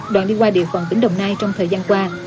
đoàn đi qua địa phòng tỉnh đồng nai trong thời gian qua